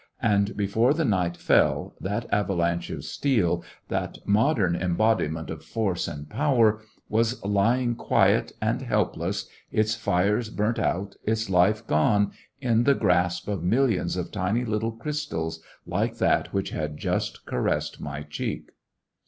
'' And before the night fell, that avalanche of steel, that modern embodiment of force and power, was lying quiet and helpless, its fires burnt out, its life gone, in the grasp of mil lions of tiny little crystals like that which had just caressed my cheek.